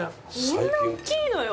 こんな大きいのよ。